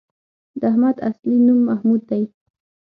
د احمد اصلی نوم محمود دی